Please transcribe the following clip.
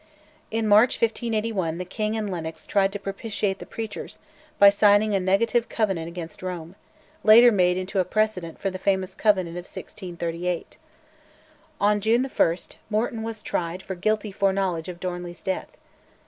In March 1581 the king and Lennox tried to propitiate the preachers by signing a negative Covenant against Rome, later made into a precedent for the famous Covenant of 1638. On June 1 Morton was tried for guilty foreknowledge of Darnley's death.